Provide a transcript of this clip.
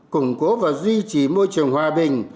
củng cố và duy trì môi trường hòa bình